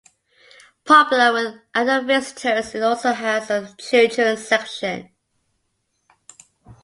Popular with adult visitors, it also has a children's section.